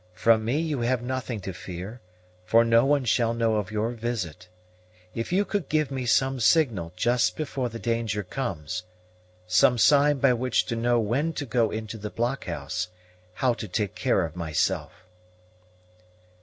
From me you have nothing to fear, for no one shall know of your visit. If you could give me some signal just before the danger comes, some sign by which to know when to go into the blockhouse, how to take care of myself."